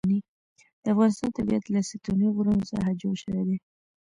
د افغانستان طبیعت له ستوني غرونه څخه جوړ شوی دی.